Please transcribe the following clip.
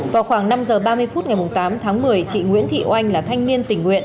vào khoảng năm h ba mươi phút ngày tám tháng một mươi chị nguyễn thị oanh là thanh niên tỉnh huyện